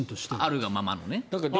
あるがままのね。